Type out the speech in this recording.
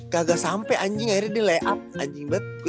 kagak sampe anjing akhirnya dia layup anjing banget